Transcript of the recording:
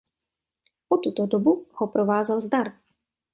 Po tuto dobu ho provázel zdar.